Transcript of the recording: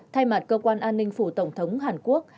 thay mặt cơ quan an ninh phủ tổng thống hàn quốc